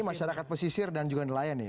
ini masyarakat pesisir dan juga nelayan ya